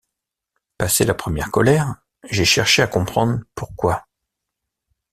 Passée la première colère, j’ai cherché à comprendre pourquoi.